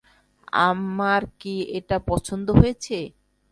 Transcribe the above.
আমার কি এটা পছন্দ হয়েছে?